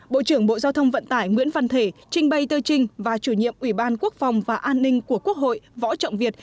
bộ trưởng bộ giao thông vận tải nguyễn văn thể trình bày tờ trình và chủ nhiệm ủy ban quốc phòng và an ninh của quốc hội võ trọng việt